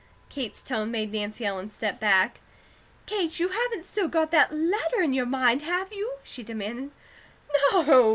Kate's tone made Nancy Ellen step back. "Kate, you haven't still got that letter in your mind, have you?" she demanded. "No!"